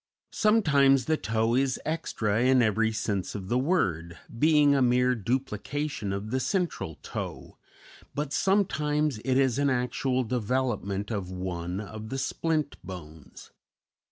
Sometimes the toe is extra in every sense of the word, being a mere duplication of the central toe; but sometimes it is an actual development of one of the splint bones.